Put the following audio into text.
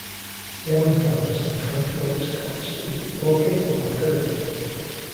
The Allen Campus of Frank Phillips College is located in Perryton.